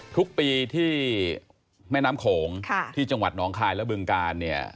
ทุกปีที่แม่น้ำโขงที่จังหวัดหนองคายและบึงกาลเนี่ย